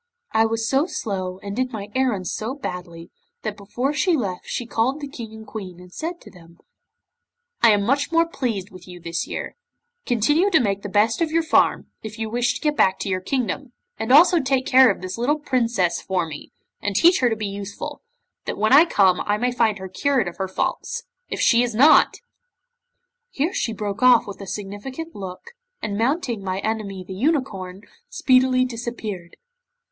I was so slow, and did my errands so badly, that before she left she called the King and Queen and said to them: '"I am much more pleased with you this year. Continue to make the best of your farm, if you wish to get back to your kingdom, and also take care of this little Princess for me, and teach her to be useful, that when I come I may find her cured of her faults. If she is not " 'Here she broke off with a significant look, and mounting my enemy the unicorn, speedily disappeared.